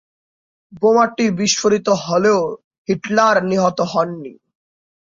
বোমাটি বিস্ফোরিত হলেও হিটলার নিহত হননি।